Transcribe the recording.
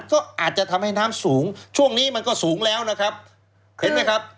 ก็อาจจะทำให้น้ำสูงช่วงนี้มันก็สูงแล้วนะครับเห็นไหมครับ